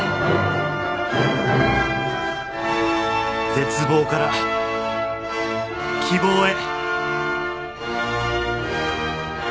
絶望から希望へ！